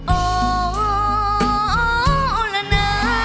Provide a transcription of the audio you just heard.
โอ้โอละนะ